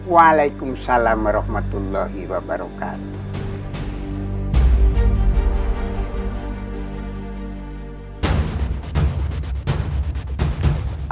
waalaikumsalam warahmatullahi wabarakatuh